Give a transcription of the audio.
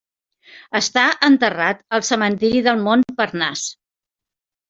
Està enterrat al cementiri del Montparnasse.